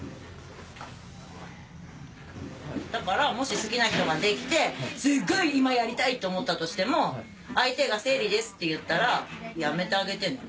だからもし好きな人ができて「すっごい今やりたい」と思ったとしても相手が「生理です」って言ったらやめてあげてね。